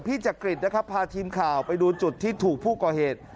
จักริตนะครับพาทีมข่าวไปดูจุดที่ถูกผู้ก่อเหตุ